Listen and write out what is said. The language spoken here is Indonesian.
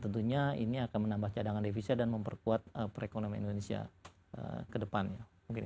dan ini akan menambah cadangan divisa dan memperkuat perekonomian indonesia ke depannya